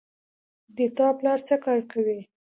د تا پلار څه کار کوی